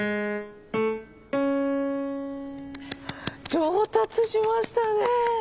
上達しましたね！